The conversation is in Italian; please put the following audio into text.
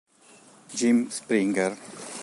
Jim Springer